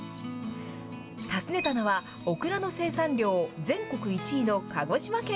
訪ねたのはオクラの生産量、全国１位の鹿児島県。